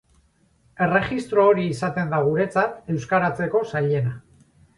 Erregistro hori izaten da guretzat euskaratzeko zailena.